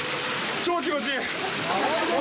超気持ちいい！